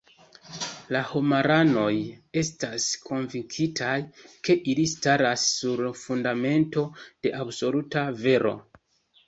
La homaranoj estas konvinkitaj, ke ili staras sur fundamento de absoluta vero.